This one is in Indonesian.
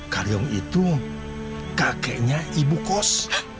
karyong itu kakeknya ibu kos